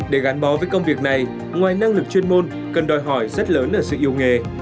để gắn bó với công việc này ngoài năng lực chuyên môn cần đòi hỏi rất lớn ở sự yêu nghề